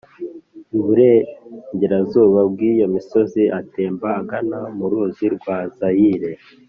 iburengerazuba bw'iyo misozi atemba agana mu ruzi rwa zayire,